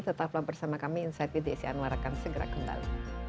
tetaplah bersama kami insight vdc anwar akan segera kembali